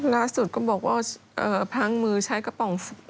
ล่าสุดก็บอกว่าพังมือใช้กระป๋อง